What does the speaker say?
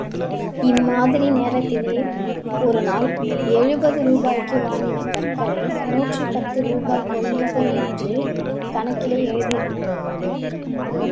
இம்மாதிரி நேரத்திலே, ஒருநாள் எழுபது ரூபாய்க்கு வாங்கின கற்களை நூற்றி பத்து ரூபா கொள்முதல் என்று கணக்கிலே எழுதியிருந்தான்.